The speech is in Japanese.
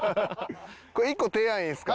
これ１個提案いいですか？